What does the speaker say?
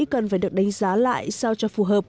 cần phải được đánh giá lại sao cho phù hợp